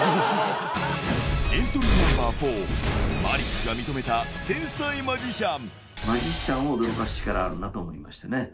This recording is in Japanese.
エントリーナンバー４、マリックが認めた天才マジシャン。